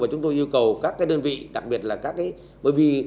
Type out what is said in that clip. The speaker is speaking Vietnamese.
và chúng tôi yêu cầu các đơn vị đặc biệt là các tỉnh